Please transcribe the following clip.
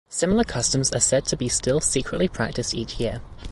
Similar customs are said to be still secretly practiced each year.